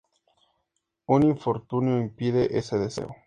Un infortunio impidió ese deseo.